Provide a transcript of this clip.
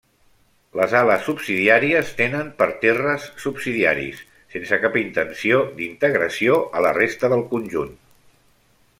Les ales subsidiàries tenen parterres subsidiaris, sense cap intenció d'integració a la resta del conjunt.